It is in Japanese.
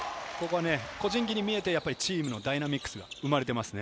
個人技に見えて、チームのダイナミックさが生まれていますね。